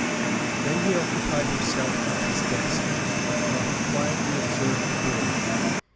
Then he occupied himself at his desk while he quietly observed the boy.